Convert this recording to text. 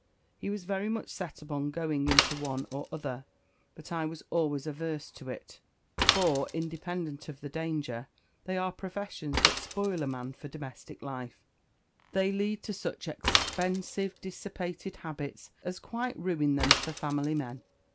He was very much set upon going into one or other; but I was always averse to it; for, independent of the danger, they are professions that spoil a man for domestic life; they lead to such expensive, dissipated habits, as quite ruin them for family men.